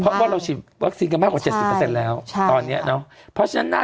เพราะว่าเราวัคซีนกันมากกว่า๗๐แล้วตอนนี้เนอะใช่